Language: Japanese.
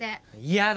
嫌だ！